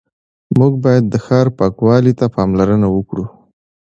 موږ باید د ښار پاکوالي ته پاملرنه وکړو